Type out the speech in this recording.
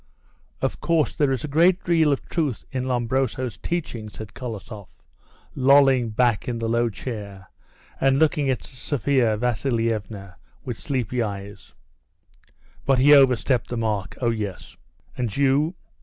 "Of course, there is a good deal of truth in Lombroso's teaching," said Kolosoff, lolling back in the low chair and looking at Sophia Vasilievna with sleepy eyes; "but he over stepped the mark. Oh, yes." "And you?